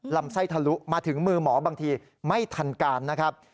ลำไส้ทะลุมาถึงมือหมอบางทีไม่ทันการนะครับ